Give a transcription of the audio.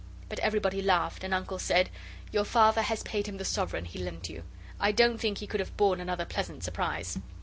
But everybody laughed, and Uncle said 'Your father has paid him the sovereign he lent you. I don't think he could have borne another pleasant surprise.